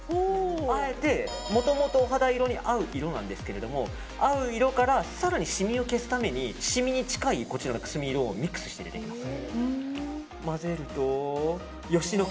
あえて、もともと肌色に合う色なんですけど合う色から更にシミを消すためにシミに近いくすみの色をミックスして入れていきます。